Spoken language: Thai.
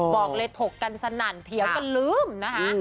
บอกเลยถกกันสนั่นเถียงกันลืมนะคะ